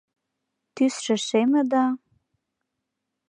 Тӱсшӧ шеме да...